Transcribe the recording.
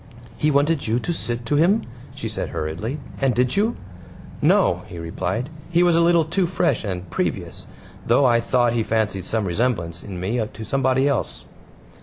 "He wanted you to sit to him," she said hurriedly, "and did you?" "No," he replied. "He was a little too fresh and previous, though I thought he fancied some resemblance in me to somebody else."